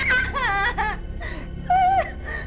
dia sudah mendatanginya